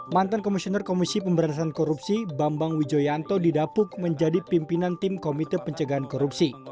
mantan komisioner komisi pemberantasan korupsi bambang wijoyanto didapuk menjadi pimpinan tim komite pencegahan korupsi